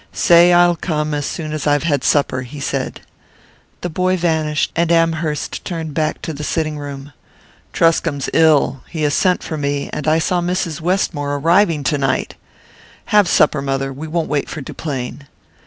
"Say I'll come as soon as I've had supper," he said. The boy vanished, and Amherst turned back to the sitting room. "Truscomb's ill he has sent for me; and I saw Mrs. Westmore arriving tonight! Have supper, mother we won't wait for Duplain."